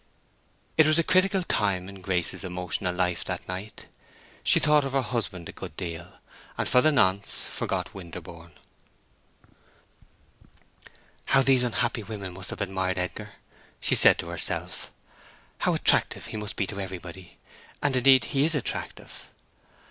It was a critical time in Grace's emotional life that night. She thought of her husband a good deal, and for the nonce forgot Winterborne. "How these unhappy women must have admired Edgar!" she said to herself. "How attractive he must be to everybody; and, indeed, he is attractive."